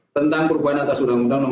tentang perubahan atas uu no tiga puluh satu